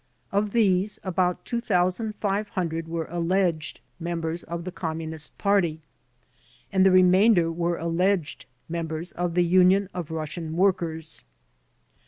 Of these, about 2,500 were alleged members of the Communist Party, and the remainder were alleged members of the Union of Russian Workers.